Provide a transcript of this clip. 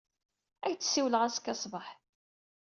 Ad ak-d-siwleɣ azekka ṣṣbeḥ.